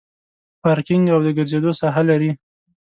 پارکینګ او د ګرځېدو ساحه لري.